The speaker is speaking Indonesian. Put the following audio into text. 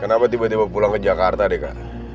kenapa tiba tiba pulang ke jakarta deka